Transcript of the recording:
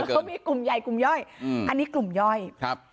เขามีกลุ่มใหญ่กลุ่มย่อยอืมอันนี้กลุ่มย่อยครับ